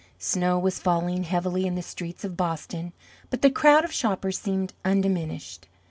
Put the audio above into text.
Snow was falling heavily in the streets of Boston, but the crowd of shoppers seemed undiminished.